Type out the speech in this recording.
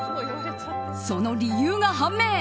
その理由が判明。